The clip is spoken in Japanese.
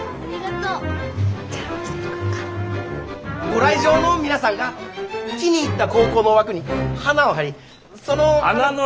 ご来場の皆さんが気に入った高校の枠に花を貼りその。